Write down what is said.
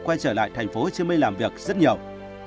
quay trở lại tp hcm làm việc rất nhiều